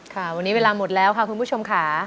ค่ะวันนี้เวลาหมดแล้วค่ะคุณผู้ชมค่ะ